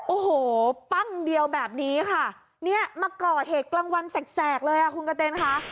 โอ้โหปั้งเดียวแบบนี้ค่ะเนี่ยมาก่อเหตุกลางวันแสกเลยอ่ะคุณกระเต้นค่ะ